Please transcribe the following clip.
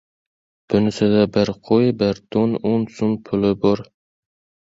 — Bunisida bir qo‘y, bir to‘n, o‘n so‘m puli bor!